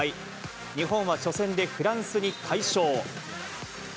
日本は初戦でフランスに快勝。